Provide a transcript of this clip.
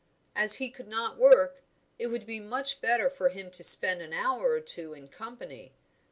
As he could not work, it would be much better for him to spend an hour or two in company.